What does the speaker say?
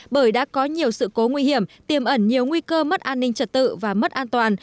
bởi đã có nhiều sự cố nguy hiểm tiềm ẩn nhiều nguy cơ mất an ninh trật tự và mất an toàn